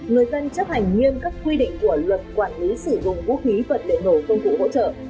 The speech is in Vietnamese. người dân chấp hành nghiêm các quy định của luật quản lý sử dụng vũ khí vật liệu nổ công cụ hỗ trợ